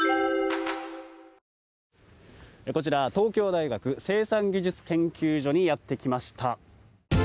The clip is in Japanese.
こちら東京大学生産技術研究所にやってきました。